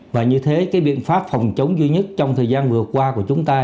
và như thế cái biện pháp phòng chống duy nhất trong thời gian vừa qua của chúng ta